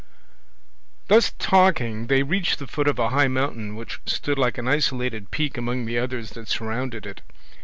Thus talking they reached the foot of a high mountain which stood like an isolated peak among the others that surrounded it.